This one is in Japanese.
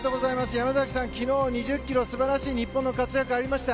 山崎さん、昨日２０ｋｍ素晴らしい日本の活躍がありました。